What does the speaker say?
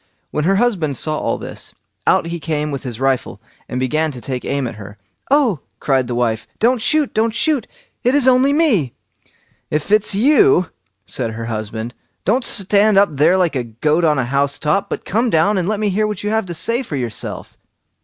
When her husband saw all this, out he came with his rifle, and began to take aim at her. "Oh!" cried his wife, "don't shoot, don't shoot! it is only me." "If it's you", said her husband, "don't stand up there like a goat on a house top, but come down and let me hear what you have to say for yourself."